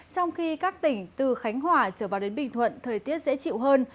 trong khi các tỉnh từ khánh hòa trở vào đến bình thuận thời tiết dễ chịu hơn